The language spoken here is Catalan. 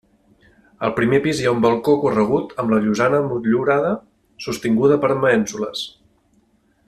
Al primer pis hi ha un balcó corregut amb la llosana motllurada sostinguda per mènsules.